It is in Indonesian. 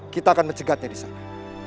kita akan mencegatnya di sana